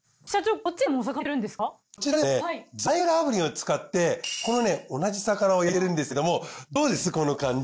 こちらではねザイグル炙輪を使ってこのね同じ魚を焼いてるんですけどもどうですこの感じ。